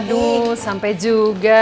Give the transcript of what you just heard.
aduhh sampai juga